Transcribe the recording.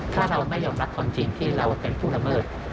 ถ้าเราไม่ยอมรับความจริงที่เราเป็นผู้ละเมิด